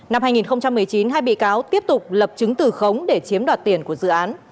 năm hai nghìn một mươi chín hai bị cáo tiếp tục lập chứng từ khống để chiếm đoạt tiền của dự án